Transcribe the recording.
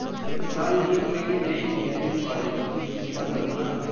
इस साल नहीं खुलेंगे नए इंजीनियरिंग कॉलेज, यूजीसी का फरमान